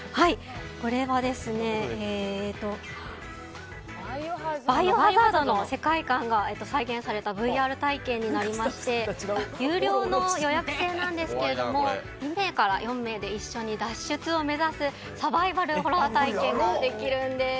これは「バイオハザード」の世界観が再現されたＶＲ体験になりまして有料の予約制なんですが２名から４名で一緒に脱出を目指すサバイバルホラー体験ができるんです。